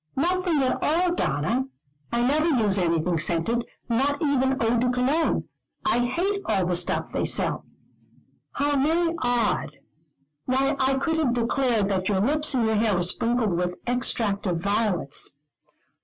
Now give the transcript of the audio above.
"Nothing at all, Donna. I never use anything scented. Not even Eau de Cologne. I hate all the stuff they sell." "How very odd! Why, I could have declared that your lips and your hair were sprinkled with extract of violets."